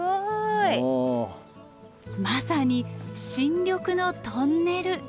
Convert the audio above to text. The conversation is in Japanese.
まさに新緑のトンネル。